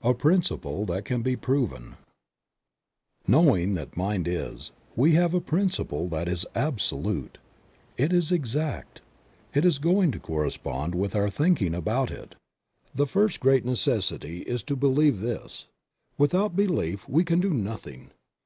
A PRINCIPLE THAT CAN BE PROVEN. TTNOWING that Mind is, we have a principle that is absolute ; it is exact ; it is going to correspond to our thinking about it. The first great necessity is to believe this ; without belief we can do nothing.